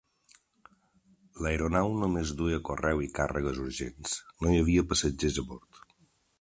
L'aeronau només duia correu i càrregues urgents; no hi havia passatgers a bord.